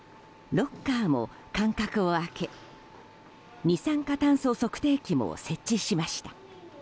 ロッカーも間隔を空け二酸化炭素測定器も設置しました。